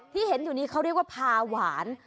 ที่เห็นอยู่นี้เขาเรียกว่าพาหวาน